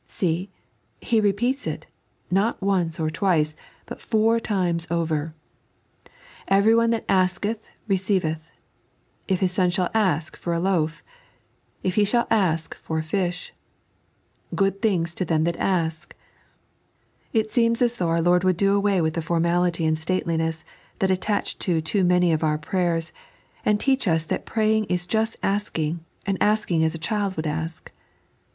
See I He repeats it, not once or twice, but four times over, " Everyone that aak^ roceiveth ";" if his son shall ask for a loaf ";" if he shall ask for a fish ";" good things to them that ask." It seems as though our Lord would do away with the formality and stateliness that attach to too many of our prayers, and teach us that praying is just asking, and asking as a child would ask.